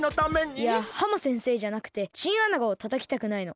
いやハモ先生じゃなくてチンアナゴをたたきたくないの。